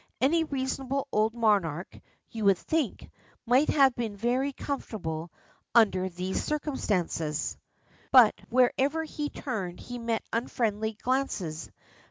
Any reasonable old monarch, you would think, might have been very comfortable under these circumstances, but wherever he turned he met unfriendly glances.